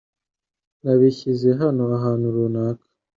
Nabishyize hano ahantu runaka .